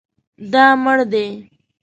دا مړ دی